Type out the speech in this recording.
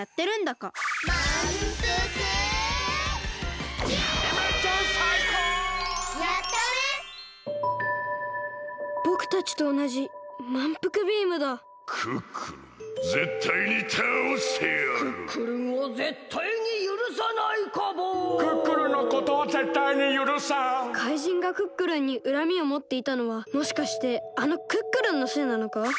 こころのこえ怪人がクックルンにうらみをもっていたのはもしかしてあのクックルンのせいなのか？